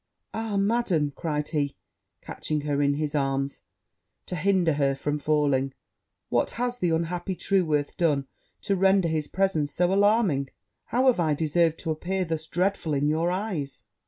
'Ah, Madam!' cried he, catching her in his arms to hinder her from falling, 'what has the unhappy Trueworth done to render his presence so alarming! How have I deserved to appear thus dreadful in your eyes!'